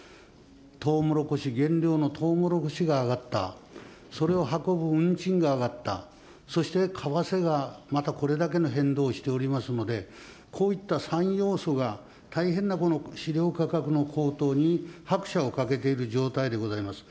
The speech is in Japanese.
とうもろこし、原料のとうもろこしが上がった、それを運ぶ運賃が上がった、為替がまたこれだけの変動をしておりますので、こういった３要素が大変なこの飼料価格の高騰に拍車をかけている状態でございます。